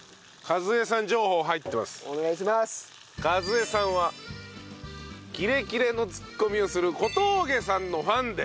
和恵さんはキレキレのツッコミをする小峠さんのファンで。